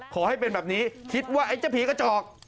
ขอให้เป็นแบบนี้คิดว่าไอ้เจ้าผีกระจอก